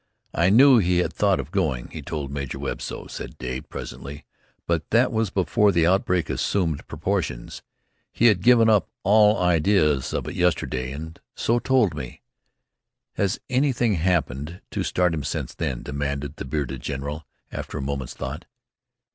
"I knew he had thought of going. He told Major Webb so," said Dade, presently. "But that was before the outbreak assumed proportions. He had given up all idea of it yesterday and so told me." "Has anything happened to start him since then?" demanded the bearded general, after a moment's thought.